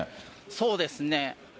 そうですね。